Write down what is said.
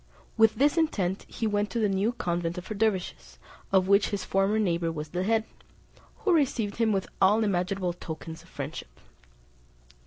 With this intent he went to the new convent of dervises, of which his former neighbour was the head, who received him with all imaginable tokens of friendship.